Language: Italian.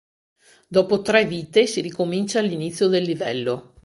Dopo tre vite si ricomincia all'inizio del livello.